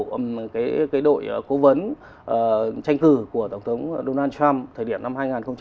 với lại cái đội cố vấn tranh cử của tổng thống donald trump thời điểm năm hai nghìn một mươi năm một mươi sáu